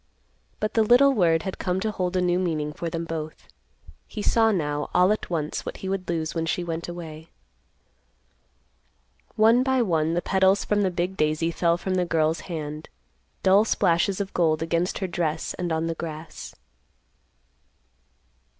But the little word had come to hold a new meaning for them both. He saw now, all at once, what he would lose when she went away. One by one, the petals from the big daisy fell from the girl's hand, dull splashes of gold against her dress and on the grass.